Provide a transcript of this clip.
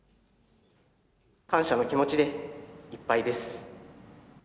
感謝の気持ちでいっぱいです。